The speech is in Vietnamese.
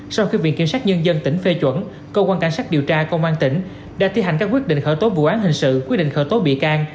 sau khi viện kiểm sát nhân dân tỉnh phê chuẩn cơ quan cảnh sát điều tra công an tỉnh đã thi hành các quyết định khởi tố vụ án hình sự quyết định khởi tố bị can